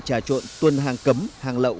trà trộn tuần hàng cấm hàng lậu